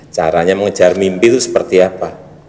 caranya mengejar mimpi itu seperti apa